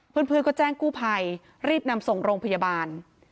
เพื่อนก็แจ้งกู้ภัยรีบนำส่งโรงพยาบาล